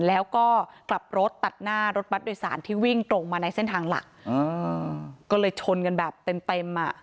แล้วก็กลับรถตัดหน้ารถบัตรโดยสารที่วิ่งตรงมาในเส้นทางหลักก็เลยชนกันแบบเต็มเต็มอ่ะ